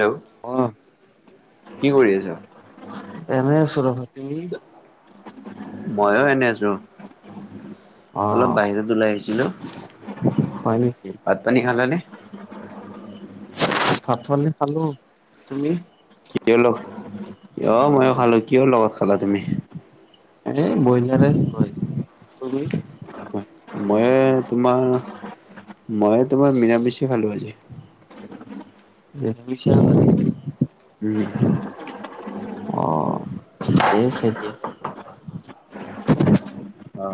Hello! অ', কি কৰি আছ? এনে আছো অলপ, তুমি? ময় এনে আছো। অলপ অ', বাহিৰত ওলাই আহিছিলো, হয় নেকি? ভাত-পানী খালা নে? ভাত-পানী খালো। তুমি? কিহ ল অ ময়ো খালো। কিহ লগত খালা তুমি? এ ব্ৰইলাৰ ল আইছি, তুমি? ময়ে তোমাৰ ময়ে তোমাৰ মৰামিষে খালো আজি। [unintelligible] উম। অ ঠিকে আছে দে। অ।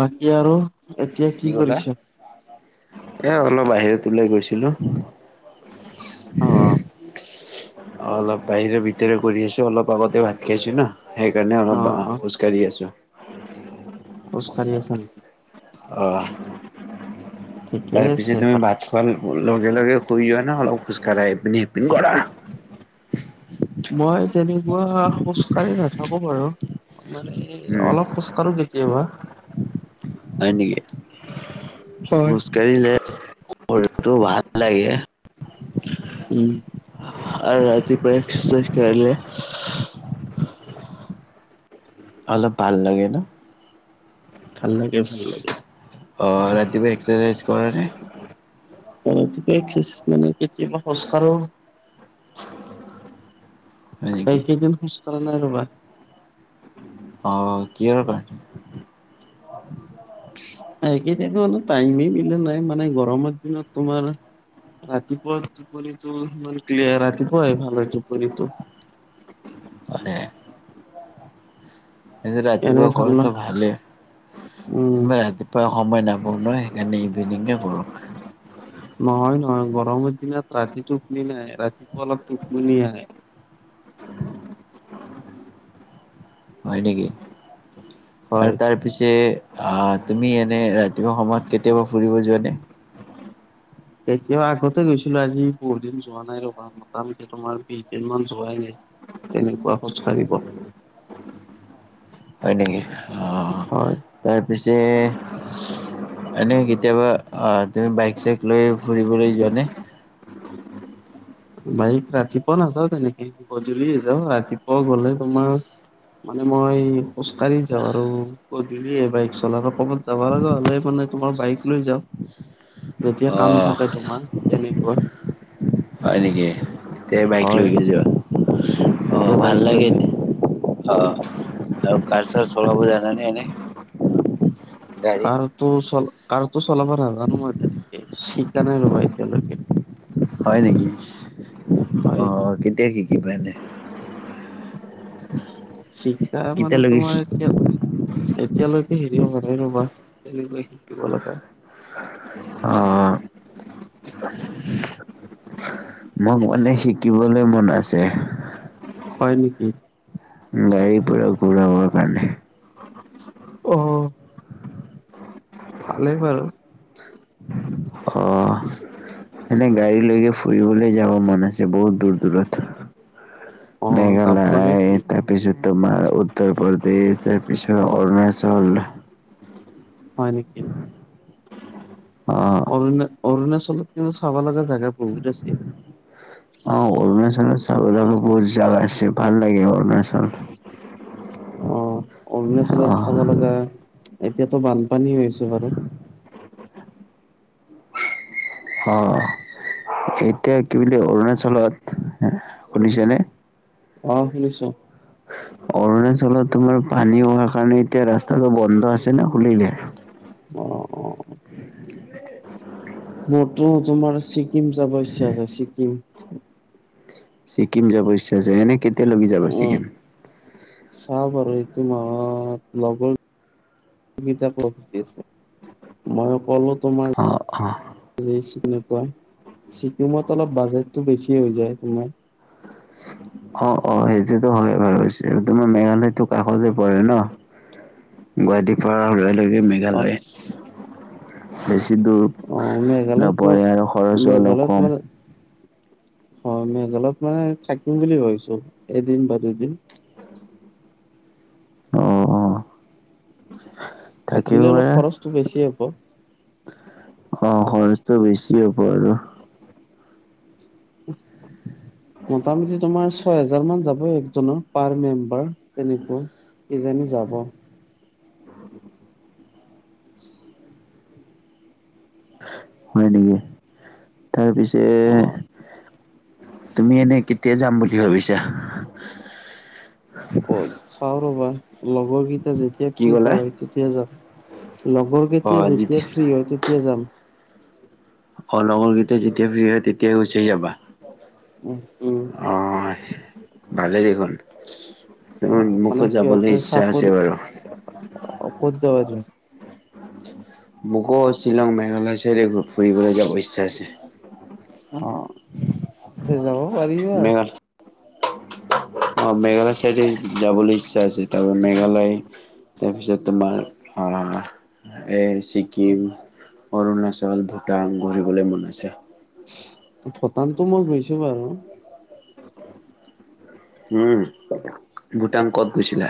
বাকী আৰু এতিয়া কি কলা? কৰিছা? এ অলপ বাহিৰত ওলাই গৈছিলো। অ অ। অ অলপ বাহিৰে ভিতৰে কৰি আছো অলপ আগতেও ভাত খাইছো না। সেইকাৰণে অলপ অ', অ'। খোজকাঢ়ি আছো। খোজকাঢ়ি আছা নেকি? অ। ঠিকেই তাৰ পিছত আছে তুমি বাৰু। ভাত খোৱাৰ লগে লগে শুই যোৱা না অলপ খোজ কঢ়া এপিনি সিপিনে কৰা? মই তেনেকুৱা খোজ কাঢ়ি নাথাকো বাৰু মানে উম অলপ খোজ কাঢ়ো [unintelligible] কেবা হয় নেকি হয়। [unintelligible] [unintelligible] ভাল লাগে। উম, আৰু ৰাতি পুৱাই এক্সাৰচাইজ কৰিলো। অলপ ভাল লাগে ন। ভাল লাগে ভাল লাগে অঁ ৰাতিপুৱা এক্সাৰচাইজ কৰা নে? অ ৰাতিপুৱা এক্সাৰচাইজ মানে কেতিয়াবা খোচ কাৰো। হয় নেকি এইকেইদিন পিছফালে নাই ৰ'বা। অ কিহৰ কাৰণে সেই কেইদিনটো অলপ টাইমে মিলা নাই মানে গৰমৰ দিনত তোমাৰ ৰাতিপুৱা টোপনি তোৰ মন ক্লিয়াৰ ৰাতিপুৱা হয় ভাল হয় টোপনি তোৰ হয় এনে ৰাতিপুৱা ভাল ন কৰাটো ভালে উম ৰাতিপুৱা সময় নাপাওঁ নহয় সেইকাৰণে ইভিনিঙে কৰোঁ। নহয় নহয় গৰমৰ দিনত ৰাতি টোপনি নাই ৰাতিপুৱা অলপ টোপনি আহে। হয় নেকি হয় আৰু তাৰ পিছে তুমি এনে ৰাতিপুৱা সময়ত কেতিয়াবা ফুৰিব যোৱা নে? কেতিয়াও আগতে গৈছিলো আজি বহু দিন যোৱা নাই ৰবা মোটামুটি তোমাৰ বিছদিনমান যোৱাই নাই। তেনেকুৱা খোজকাঢ়িব হয় নেকি অ হয় তাৰ পিছে এনেই কেতিয়াবা অ তুমি বাইক চাইক লৈ ফুৰিবলৈ যোৱানে বাইক ৰাতিপুৱা নাযাও তেনেকে গধূলিয়ে যাওঁ ৰাতিপুৱা গলে তোমাৰ মানে মই খোজকাঢ়ি যাওঁ আৰু [unintelligible] বাইক চলাৰ কবাত যাব লগা হ'লে মানে তোমাৰ বাইক লৈ যাম যেতিয়া কাম অ থাকে তোমাৰ তেনেকুৱা হয় নেকি? তে বাইক লৈ হয় গৈ যোৱা অ তেতিয়া ভাল বাইক লৈ লাগে যায় দে অ আৰু কাৰ চাৰ চলাব জানেনে এনেই কাৰতো চল কাৰোটো চলাব নাজানো মই তেনেকে শিকা নাই ৰ'বা এতিয়ালৈকে হয় নেকি হয় অ হয় কেতিয়া কি কিবা এনে উ [unintelligible] শিক্ষাৰ মানে তোমাৰ এতিয়ালৈকে হেৰি হোৱা নাই ৰবা কেনেকৈ শিকিব লগা অ মই মানে শিকিবলৈ মন আছে। হয় নেকি? গাড়ী পুৰা ঘূৰাবৰ কাৰণে অ ভালেই ভাল অ [unintelligible] এনে গাড়ী লৈকে ফুৰিবলৈ যাব মন আছে বহুত দূৰ দূৰত অ যাব লাগে মেঘালয় ফুৰিব তাত তাৰ পিছত তোমাৰ উত্তৰ প্ৰদেশ তাৰ পিছত অৰুণাচল। হয় নেকি অ অৰুণা অৰুণাচলত কিন্তু চাব লগা জেগা বহুত আছে। [unintelligible] অ অৰুণাচলত চাব লগা বহুত জাগা আছে ভাল লাগে অৰুণাচল। অ উ অৰুণাচলত চাব লগা এতিয়াতো বানপানী হৈছে বাৰু। অ এতিয়া কি বুলি অৰুণাচলত শুনিছেনে? অ শুনিছো। অৰুণাচলত তোমাৰ পানী হোৱাৰ কাৰণে এতিয়া ৰাস্তাটো বন্ধ আছে ন খুলিলে? অ অ মোৰতো তোমাৰ ছিকিম যাব ইচ্ছা আছে ছিকিম। ছিকিম যাব ইচ্ছা যায় এনে কেতিয়া লৈকে যাবা ছিকিম। চাহ বাৰু এইটো মাহত লগৰ কেইটাক লগ ধৰি আছে মই কলো তোমাৰ অ অ চিনি নাপায়। ছিকিমত অলপ বাজেটটো বেছি হৈ যায় তোমাৰ অ অ সেইটোতো হয়েই বাৰু পিছে তোমাৰ মেঘালয়তো কাষতে পৰে ন। গুৱাহাটী পৰা ওলালে অ মেঘালয় বেছি অ দূৰ মেঘালয়ত তোমাৰ নপৰে আৰু খৰচো অলপ মেঘালয়ত কম। মানে হয় মেঘালয়ত মানে থাকিম বুলি ভাবিছো এদিন বা দুদিন। অ অ থাকিব থাকিলে অলপ পাৰা খৰচটো বেছি হ'ব। অ খৰচটো বেছি হ'ব আৰু। মোটামুটি তোমাৰ ছয় হেজাৰ মান যাব একজনৰ পাৰ মেম্বাৰ তেনেকৈ কিজানি যাব। হয় নেকি তাৰ পিছে অ তুমি এনে কেতিয়া যাম বুলি ভাবিছা। অ চাও ৰ'বা লগৰকেইটা যেতিয়া কি ফ্ৰী ক'লা পায় তেতিয়া যাম। লগৰ কেইতা যেতিয়া ফ্ৰী হয় তেতিয়া যাম। অ লগৰ কেইতা যেতিয়া ফ্ৰি হয় তেতিয়াই গুচি যাবা। উম। উম অ ভালে অ দেখোন মোকো যাবলৈ ইচ্ছা আছে বাৰু অ ক'ত যাবা‌ তুমি? [unintelligible] মোকো শ্বিলং মেঘালয় চাইডে ফুৰিবলৈ যাব ইচ্ছা আছে। অ যাব পাৰিবা আৰু। মেঘালয় অ মেঘালয় চাইডে যাবলৈ ইচ্ছা আছে তাৰ মানে মেঘালয় তাৰপিছত তোমাৰ আহ এ ছিকিম অৰুণাচল ভূটান ঘূৰিবলে মন আছে। ভূটানটো মই গৈছো বাৰু। উম ভূটান ক'ত গৈছিলা।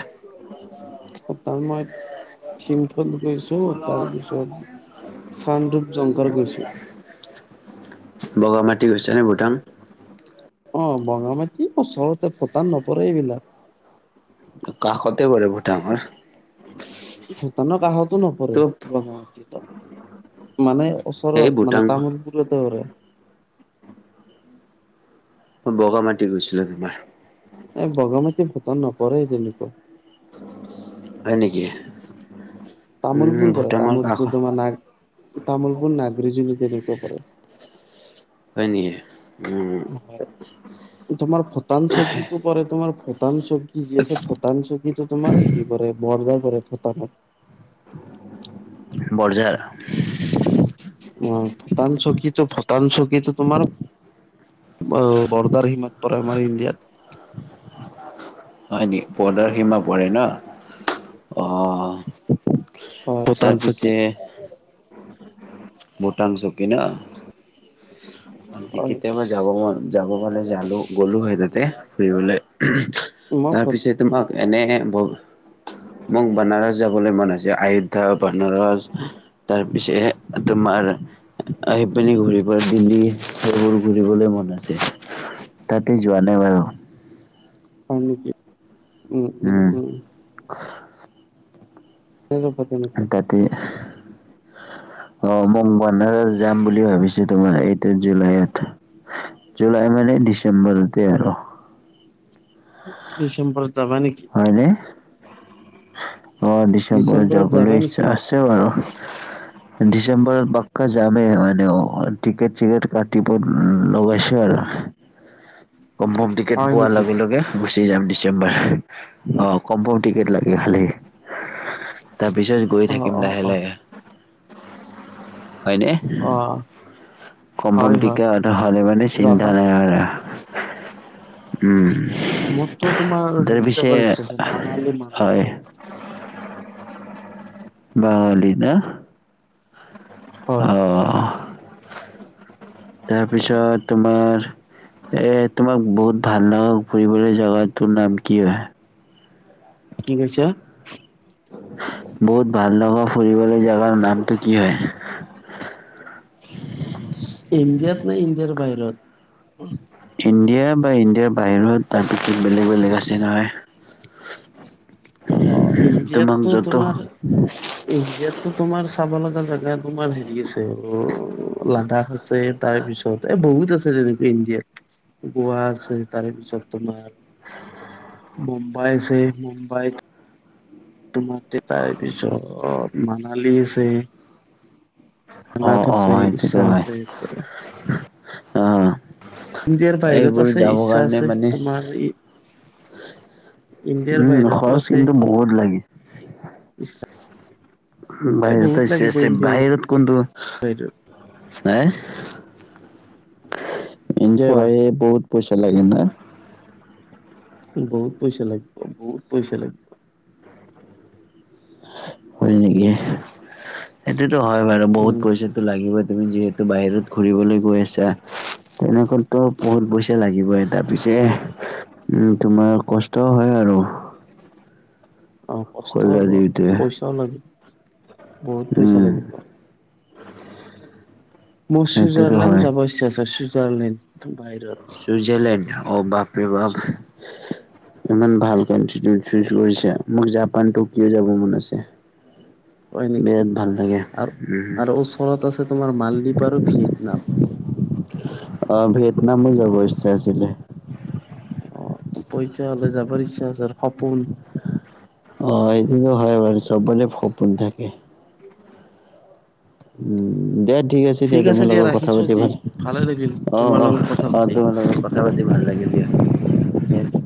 ভূটান মই। চিমফল গৈছো তাৰপিছত চানধূপ জংঘল গৈছো। বগা মাটি গৈ হৈছে নে, ভূটান? অ, বগা মাটি ওচৰতে, ভূটান নপৰে এইবিলাক। কাষতে পাৰে ভূটানৰ। ভূটানৰ কাষতো নপৰে টোপ বগা মাটিতো। মানে এই ওচৰত মানে ভূটান তামোলপুৰতে পৰে। বগা মাটি গৈছিলে, তোমাৰ। এই বগা মাটি ভূটান নপৰে যেনেকু হয় নেকি? উম তামোলপুৰ পৰে, ভূটানৰ কাষ তামোলপুৰ তোমাৰ নাগ, তামোলপুৰ নাগৰিজনী কেনেকুৱা পৰে। হয় নেকি? উম, হয়, তোমাৰ ভূটান [inaudible] পৰে তোমাৰ ভূটান চক কি যি আছে, ভূটান চকীতো তোমাৰ হেৰি পৰে, বৰ্দাৰ পৰে ভূটানত। বৰঝাৰ। অ, ভূটান চকীটো ভূটান চকীটো তোমাৰ অ, বৰ্দাৰ সীমত পৰে, আমাৰ ইণ্ডিয়াত। হয় নি, বৰ্দাৰ সীমা পৰে ন, অ, তাৰ পিছে [unintelligible] ভূটান চকী ন? হয় কেতিয়াবা যাব যাব পালে, জালো গ'লো হয় তাতে ফুৰিবলে। মই তাৰ হয় পিছত তোমাক, এনে ব মোক বানাৰছ যাবলৈ মন আছে, আয়োধ্যা, বানাৰছ। তাৰ পিছে তোমাৰ আহি পেনি ঘূৰি পৰা দিল্লী। সেইবোৰ ঘূৰিবলৈ মন আছ, তাতে যোৱা নাই বাৰু। হয় নেকি উম, উম, উম, [unintelligible] [unintelligible] তাতে, অ, মোক বনাৰত যাম বুলি ভাবিছো তোমাৰ এইটো জুলাইত। জুলাই মানে ডিচেম্বৰতে আৰু। ডিচেম্বৰত যাবা নেকি? হয়নে অ, ডিচেম্বৰত যাবা যাবলৈ ইচ্ছা নেকি? আছে। সেইটো এই বাৰু। ডিচেম্বৰত পাক্কা যামেই মানে অ, টিকেট-চিকেট কাটিব উম, লগাইছো আৰু কম, কম দি। টিকেট হয় পোৱাৰ নেকি? লগে লগে, গুচি যাম ডিচেম্বৰ। অ, কম্ফম টিকেট লাগে খালি, তাৰপিছত গৈ অ', থাকিম অ', লাহে অ', লাহে, হয়নে? অ', হয়, হয়, কম্ফমটিকে হ'লে মানে চিন্তা যাবা। নাই আৰু। উম, মোৰতো তোমাৰ হেৰি তাৰপিছে যাবাৰ ইচ্ছা আছে, মানালী হয় মানালী। বওলি ন হয়। অ' তাৰপিছত তোমাৰ। এই তোমাক বহুত ভাল লগা ফুৰিবলৈ জেগা তোৰ নাম কি হয়? কি কৈছে? বহুত ভাল লগা ফুৰিবলৈ জাগাৰ নামটো কি হয়? ইণ্ডিয়াতনে, ইণ্ডিয়াৰ বাহিৰত? ইণ্ডিয়া বা ইণ্ডিয়াৰ বাহিৰত তাৰ বিশেষ বেলেগ বেলেগ আছে নহয়। অ', তোমাক য'ত ইণ্ডিয়াতো তোমাৰ চাব লগা জেগা তোমাৰ হেৰি আছে অহ লাডাচ হৈছে তাৰপিছত এ বহুত আছে তেনেকুৱা ইণ্ডিয়াত। গোৱা আছে, তাৰেপিছত তোমাৰ মুম্বাই আছে,, মুম্বাইত তোমাৰ তে' তাৰপিছত মানালী আছে। অ' অনাথ অ' আছে, ইচ্ছা আছে, একবাৰে। অহ। ইণ্ডিয়াৰ বাহিৰত আছে, ইচ্ছা কাৰণে আছে মানে তোমাৰ ই ইণ্ডিয়াৰ উম বাহিৰতটো খৰচ আছে। কিন্তু বহুত লাগে ই বাহিৰত ইচ্ছা আছে, বাহিৰত কোনটো বাহিৰত হে! ইণ্ডিয়াৰ খোৱা বাহিৰি বহুত পইচা লাগে না। বহুত পইচা লাগিব, বহুত পইচা লাগিব। হয় নেকি? এইটোতো হয় বাৰু বহুত উম পইচা লাগিবই, তুমি যিহেতু বাহিৰত ঘুৰিবলৈ গৈ আছা। তেনেকে ত' বহুত পইচা লাগিবই, তাৰপিছে উম তোমাৰ কষ্টও হয় আৰু। অহ, কষ্ট কলা হ'ব, দিওঁতে পইচাও লাগিব, বহুত পইচা উম লাগিব। মই সেইটোতো চুইজাৰলেণ্ড হয় যাব ইচছি আছে, চুইজাৰলেণ্ড বাহিৰত। চুইজাৰলেণ্ড অহ বাপৰে-বাপ। ইমান ভাল কণ্টি তুমি চোজ কৰিছা মোক জাপান টকিঅ যাব মন আছে। হয় নেকি? বিৰাট ভাল লাগে উম, আৰু-আৰু ওচৰত আছে তোমাৰ মালদ্বীপ আৰু ভিয়েটনাম। অহ, ভিয়েটনামো যাব ইচ্ছা আছিলে। অ পইচা হ'লে যাবৰ ইচ্ছা আছে আৰু সপোন। অহ, এইটোতো হয় বাৰু, চবৰে সপোন থাকে। উম দে ঠিক আছে। তেতিয়া তোমাৰ দিয়া লগত কথা ৰাখিছো পাতি আজি ভাল, ভালে লাগিল অহ', তোমাৰ অহ', লগত কথা অহ' পাতি তোমাৰ লগত কথা পাতি ভাল লাগিল। দিয়া। দিয়া।